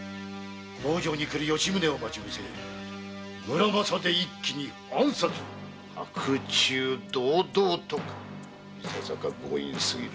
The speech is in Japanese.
道場に来る吉宗を待ち伏せ「村正」で一気に暗殺を白昼堂々とかいささか強引すぎるな。